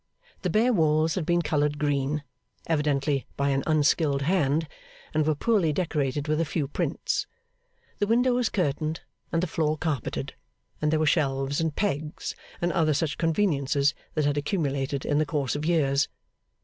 The bare walls had been coloured green, evidently by an unskilled hand, and were poorly decorated with a few prints. The window was curtained, and the floor carpeted; and there were shelves and pegs, and other such conveniences, that had accumulated in the course of years.